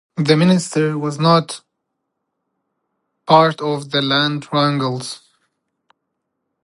The minister was not part of the land wrangles.